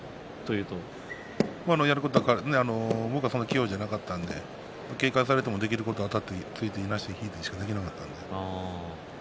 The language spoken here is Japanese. やることは僕はそんなに器用ではなかったので警戒されてもできることは突いて、いなして引いてしかなかったので。